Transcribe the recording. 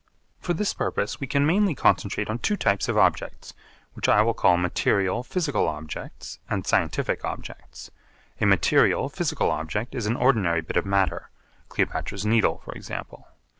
For this purpose we can mainly concentrate on two types of objects, which I will call material physical objects and scientific objects. A material physical object is an ordinary bit of matter, Cleopatra's Needle for example.